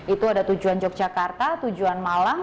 itu ada tujuan yogyakarta tujuan malang